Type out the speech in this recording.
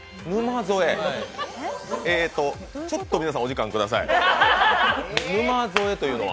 えーと、ちょっと皆さんお時間ください。